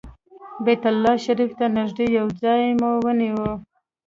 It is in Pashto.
بیت الله شریفې ته نږدې یو ځای مو ونیو.